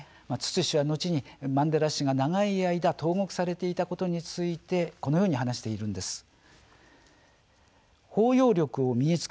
ツツ氏は後にマンデラ氏が長い間投獄されたことについてこのように話しているんです。